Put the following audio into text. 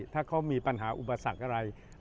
ถ้าเขามีปัญหาอุปสรรคอะไร